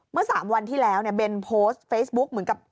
เมื่อ๓วันที่แล้วเนี่ยเบนโพสต์เฟซบุ๊กเหมือนกับ